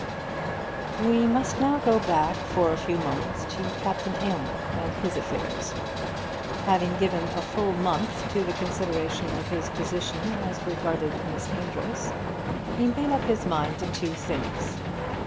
We must now go back for a few moments to Captain Aylmer and his affairs. Having given a full month to the consideration of his position as regarded Miss Amedroz, he made up his mind to two things.